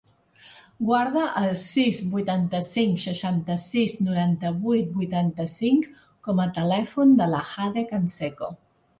Guarda el sis, vuitanta-cinc, seixanta-sis, noranta-vuit, vuitanta-cinc com a telèfon de la Jade Canseco.